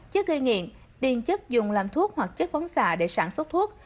chất gây nghiện tiền chất dùng làm thuốc hoặc chất phóng xạ để sản xuất thuốc